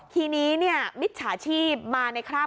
ทีนี้มิจฉาชีพมาในคราบ